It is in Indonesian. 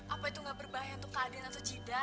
apa itu gak berbahaya untuk tadil atau jidat